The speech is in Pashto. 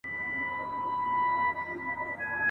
هم خوارځواكى هم په ونه ټيټ گردى وو !.